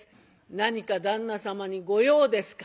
何か旦那様に御用ですか？」。